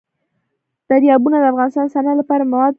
دریابونه د افغانستان د صنعت لپاره مواد برابروي.